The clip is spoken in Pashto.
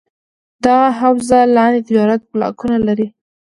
دغه حوزه لاندې تجارتي بلاکونه لري: